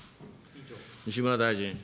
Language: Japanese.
西村大臣。